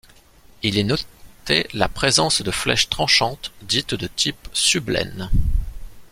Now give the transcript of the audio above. Il est noté la présence de flèches tranchantes dites de type Sublaines.